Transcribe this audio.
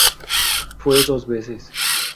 Fue dos veces.